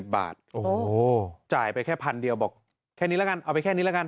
๑๓๕๐บาทโหจ่ายไปแค่พันเดียวบอกเค้านี้ละกันเอาไปแค่นี้ละกัน